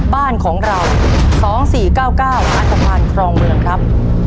บ้านของเรา๒๔๙๙อาทธวันครองเมืองครับ